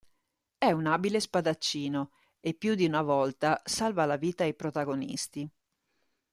È un abile spadaccino e più di una volta salva la vita ai protagonisti.